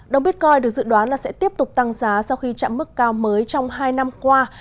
đồng bitcoin được dự đoán là sẽ tiếp tục tăng giá sau khi chạm mức cao mới trong hai năm qua